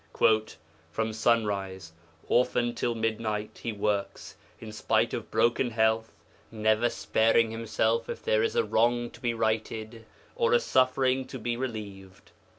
'From sunrise often till midnight he works, in spite of broken health, never sparing himself if there is a wrong to be righted, or a suffering to be relieved.